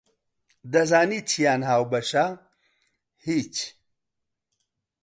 دەزانیت چیان هاوبەشە؟ هیچ!